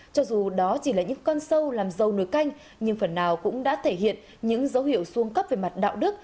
cho dù đó chỉ là những con sâu làm dâu nồi canh nhưng phần nào cũng đã thể hiện những dấu hiệu xuống cấp về mặt đạo đức